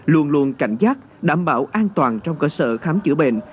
luôn luôn cảnh giác đảm bảo an toàn trong cơ sở khám chữa bệnh